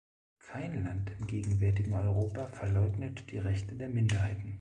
Kein Land im gegenwärtigen Europa verleugnet die Rechte der Minderheiten.